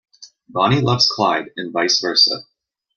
Bonnie loves Clyde and vice versa.